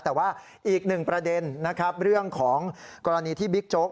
แต่ว่าอีกหนึ่งประเด็นนะครับเรื่องของกรณีที่บิ๊กโจ๊ก